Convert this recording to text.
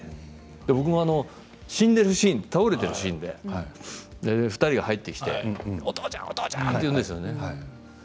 僕も死んでいるシーン倒れているシーンで２人が入ってきてお父ちゃんお父ちゃんと言うんですよね。